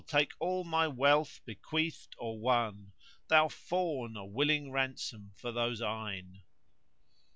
take all my wealth bequeathed or won * Thou fawn! a willing ransom for those eyne."